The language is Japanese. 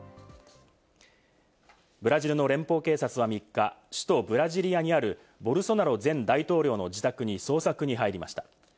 ブラジルの連邦警察が３日、首都ブラジリアにあるボルソナロ前大統領の自宅に捜索に入りました。